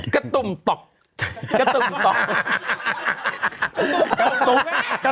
ขายทุกค่ะ